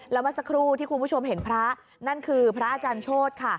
แล้วเมื่อสักครู่ที่คุณผู้ชมเห็นพระนั่นคือพระอาจารย์โชธค่ะ